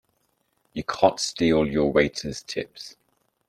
You can't steal your waiters' tips!